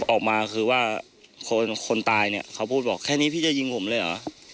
ออกมาคือว่าคนคนตายเนี่ยเขาพูดบอกแค่นี้พี่จะยิงผมเลยเหรอ